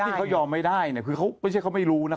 ว่านี้เขายอมไม่ได้ไม่ใช่ว่าเขาไม่รู้นะ